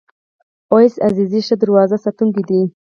اویس عزیزی ښه دروازه ساتونکی دی.